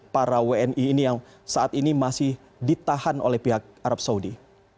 para wni ini yang saat ini masih ditahan oleh pihak arab saudi